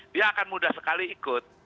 dia akan mudah sekali ikut